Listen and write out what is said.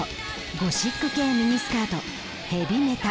ゴシック系ミニスカートヘビメタ。